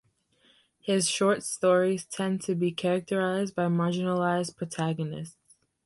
His short stories tend to be characterized by marginalized protagonists.